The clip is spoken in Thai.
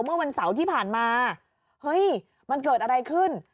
เมื่อวันเสาร์ที่ผ่านมาเฮ้ยมันเกิดอะไรขึ้น